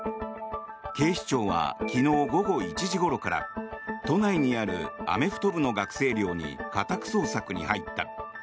警視庁は昨日午後１時ごろから都内にあるアメフト部の学生寮に家宅捜索に入った。